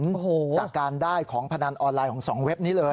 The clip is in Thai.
โอ้โหจากการได้ของพนันออนไลน์ของสองเว็บนี้เลย